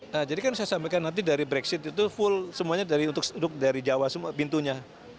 nah jadi kan saya sampaikan nanti dari brexit itu full semuanya dari jawa pintunya